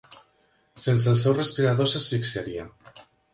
Sense el seu respirador s'asfixiaria.